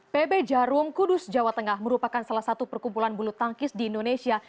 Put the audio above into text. pb jarum kudus jawa tengah merupakan salah satu perkumpulan bulu tangkis di indonesia